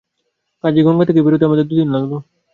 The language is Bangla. কাজেই গঙ্গা থেকে বেরুতে আমাদের দুদিন লাগল।